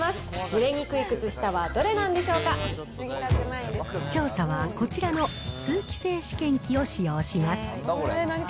蒸れにくい靴下はどれなんでしょ調査は、こちらの通気性試験機を使用します。